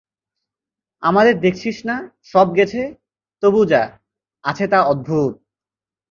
আমাদের দেখছিস না সব গেছে, তবু যা আছে তা অদ্ভুত।